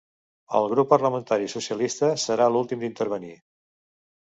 El grup parlamentari socialista serà l’últim d’intervenir.